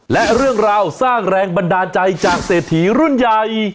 และเรื่องราวสร้างแรงบันดาลใจจากเศรษฐีรุ่นใหญ่